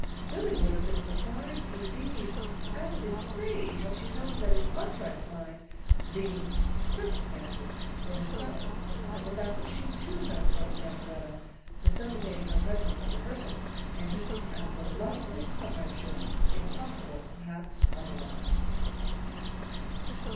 Billy would have been surprised indeed and dismayed had she known that in Arkwright's mind the "circumstances" were herself, and the fact that she, too, had a part in the operetta, necessitating her presence at rehearsals, and hinting at a delightful comradeship impossible, perhaps, otherwise.